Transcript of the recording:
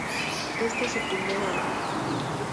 Este es su primer álbum.